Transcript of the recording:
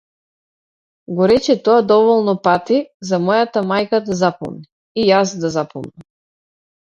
Го рече тоа доволно пати за мојата мајка да запомни, и јас да запомнам.